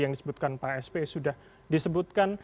yang disebutkan pak sp sudah disebutkan